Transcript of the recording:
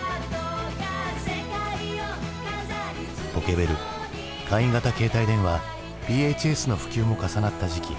ポケベル簡易型携帯電話ＰＨＳの普及も重なった時期。